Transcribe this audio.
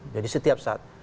jadi setiap saat